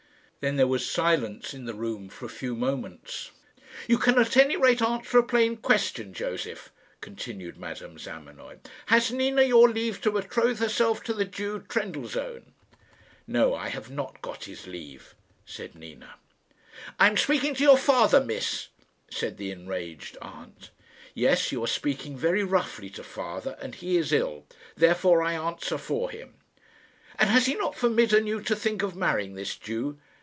Then there was silence in the room for a few moments. "You can at any rate answer a plain question, Josef," continued Madame Zamenoy. "Has Nina your leave to betroth herself to the Jew, Trendellsohn?" "No, I have not got his leave," said Nina. "I am speaking to your father, miss," said the enraged aunt. "Yes; you are speaking very roughly to father, and he is ill. Therefore I answer for him." "And has he not forbidden you to think of marrying this Jew?"